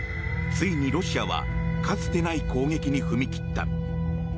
ついにロシアはかつてない攻撃に踏み切った。